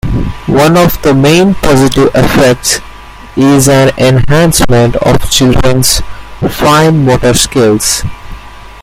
One of the main positive effects is an enhancement of children's fine motor skills.